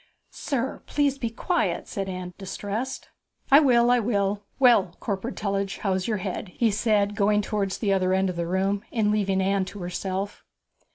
'Sir, please be quiet,' said Anne, distressed. 'I will, I will. Well, Corporal Tullidge, how's your head?' he said, going towards the other end of the room, and leaving Anne to herself.